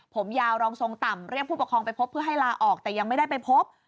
ผมยาวรองทรงต่ำเรียกผู้ปกครองไปพบเพื่อให้ลาออกแต่ยังไม่ได้ไปพบ